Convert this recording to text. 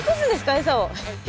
エサを。